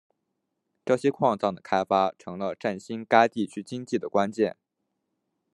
这些矿藏的开发成了振兴该地区经济的关键。